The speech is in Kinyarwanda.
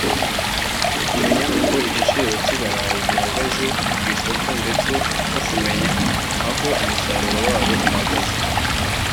kumenya uko igiciro cy’ibarayi gihagaze ku isoko ndetse no kumenya aho umusaruro wabo uhagaze